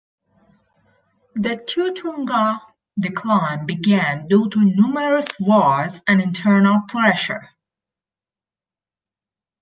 The Tui Tonga decline began due to numerous wars and internal pressure.